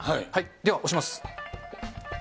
では押します。